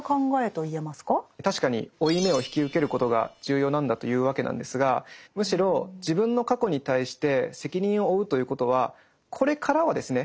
確かに負い目を引き受けることが重要なんだというわけなんですがむしろ自分の過去に対して責任を負うということはこれからはですね